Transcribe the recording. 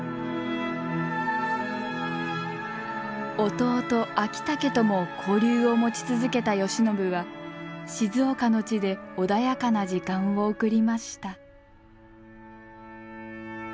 弟昭武とも交流を持ち続けた慶喜は静岡の地で穏やかな時間を送りました。